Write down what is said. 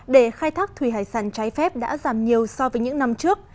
để khai thác thủy hải sản trái phép đã giảm nhiều so với những năm trước